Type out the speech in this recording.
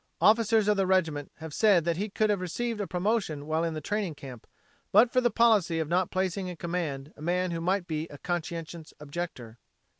Officers of the regiment have said that he would have received a promotion while in the training camp but for the policy of not placing in command a man who might be a conscientious objector.